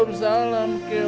biar sama saya aja teh